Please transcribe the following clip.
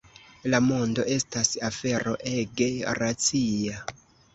La mondo estas afero ege racia.